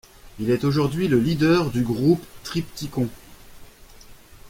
Il est aujourd'hui le leader du groupe Triptykon.